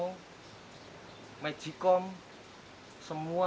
untuk penghematan saya per bulan kurang lebih empat juta